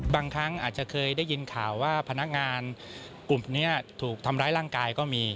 บางครั้งอาจจะเคยได้ยินข่าวว่าพนักงานกลุ่มนี้ถูกทำร้ายร่างกายก็มี